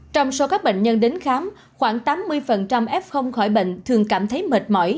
trong số các bệnh nhân đến khám khoảng tám mươi f khỏi bệnh thường cảm thấy mệt mỏi